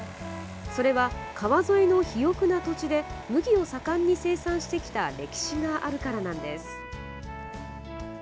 それは、川沿いの肥沃な土地で麦を盛んに生産してきた歴史があるからなんです。